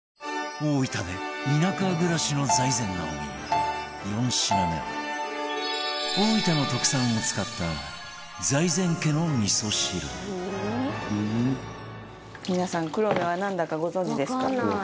大分で田舎暮らしの財前直見４品目は大分の特産を使った財前家のみそ汁財前：皆さん、クロメはなんだかご存じですか？